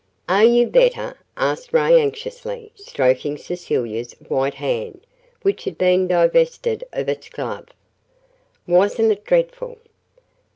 "Are you better?" asked Ray anxiously, stroking Cecilia's white hand, which had been divested of its glove. "Wasn't it dreadful?"